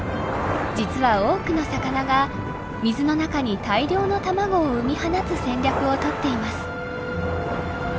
実は多くの魚が水の中に大量の卵を産み放つ戦略を取っています。